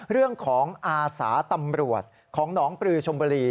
เรื่องของอาสาตำรวจของหนองปลือชมบุรี